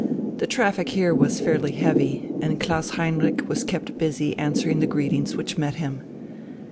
The traffic here was fairly heavy, and Klaus Heinrich was kept busy answering the greetings which met him.